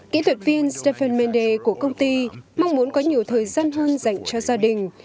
kỹ thuật viên stephen mende của công ty mong muốn có nhiều thời gian hơn dành cho gia đình